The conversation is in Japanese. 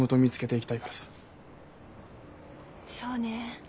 そうね。